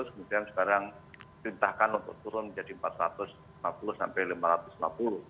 kemudian sekarang perintahkan untuk turun menjadi rp empat ratus lima puluh sampai rp lima ratus lima puluh